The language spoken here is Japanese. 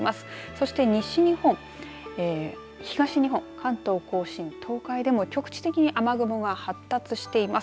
そして西日本東日本、関東甲信、東海でも局地的に雨雲が発達しています。